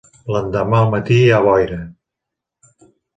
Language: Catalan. L'endemà al matí hi ha boira.